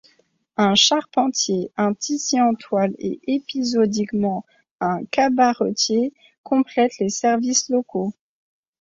Un charpentier, un tissier en toile et épisodiquement un cabaretier complètent les services locaux.